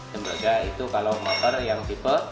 tembaga itu kalau motor yang tipe